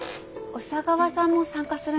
小佐川さんも参加するんですか？